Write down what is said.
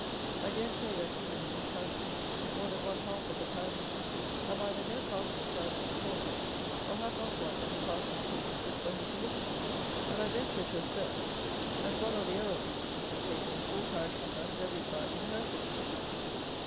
I dare say, that, even in this county, more than one half of the parishes have either no parsonage houses at all; or, have not one that a parson thinks fit for him to live in; and, I venture to assert, that one or the other of these is the case in four parishes out of every five in Herefordshire!